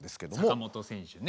坂本選手ね。